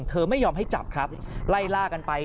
ไม่ยอมให้จับครับไล่ล่ากันไป